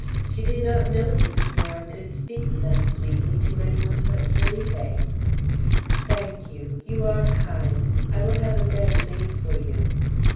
She did not know the Senora could speak thus sweetly to any one but Felipe. "Thank you! You are kind. I will have a bed made for you."